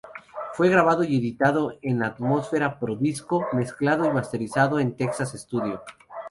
Fue grabado y editado en Atmósfera Pro disco, mezclado y masterizado en Texas Studio.